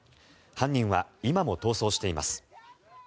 犯人は今も逃走しています。